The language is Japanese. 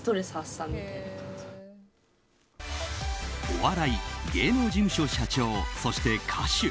お笑い、芸能事務所社長そして歌手。